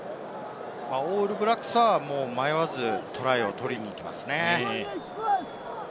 オールブラックスは迷わずトライを取りに行きますね。